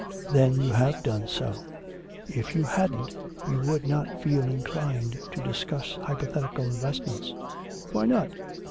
'Then you have done so. If you hadn't, you would not feel inclined to discuss hypothetical investments.' 'Why not?